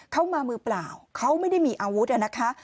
เขามามือเปล่าเขาไม่ได้มีอาวุธนะคะ